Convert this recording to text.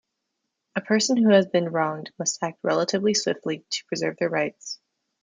A person who has been wronged must act relatively swiftly to preserve their rights.